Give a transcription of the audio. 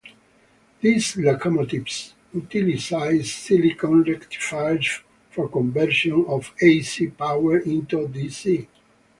These locomotives utilize silicon rectifiers for conversion of ac power into dc.